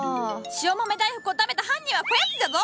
塩豆大福を食べた犯人はこやつじゃぞ！